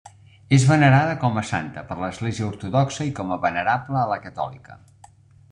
És venerada com a santa per l'Església ortodoxa i com a venerable a la catòlica.